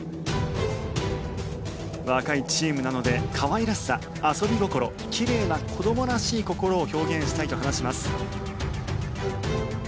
若いチームなので可愛らしさ、遊び心奇麗な子どもらしい心を表現したいと話します。